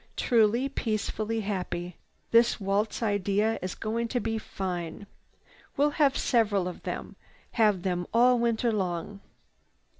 "Truly, peacefully happy. This waltz night idea is going to be fine. We'll have several of them, have them all winter long."